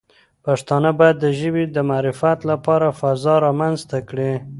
پښتانه باید د ژبې د معرفت لپاره فضا رامنځته کړي.